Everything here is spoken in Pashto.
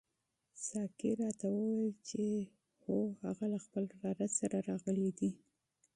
ساقي راته وویل چې هو هغه له خپل وراره سره راغلی دی.